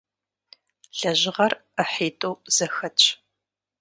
Лэжьыгъэр ӏыхьитӏу зэхэтщ.